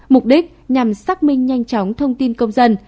mục đích nhằm xác minh nhanh chóng thông tin công dân